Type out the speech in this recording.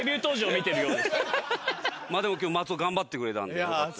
でも今日松尾頑張ってくれたんでよかった。